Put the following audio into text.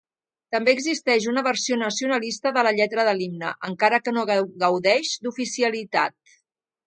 També existeix una versió nacionalista de la lletra de l'himne, encara que no gaudeix d'oficialitat.